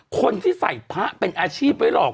คนที่ใส่พระเป็นอาชีพไว้หลอก